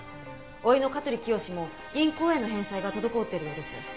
甥の香取清も銀行への返済が滞っているようです。